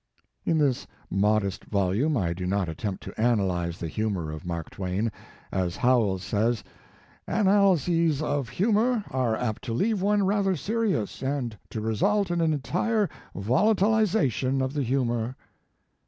* In this modest volume I do not attempt to analyze the humor of Mark Twain. As Howells says: " Analyses of humor are apt to leave one rather serious, and to result in an entire volatilization of the humor."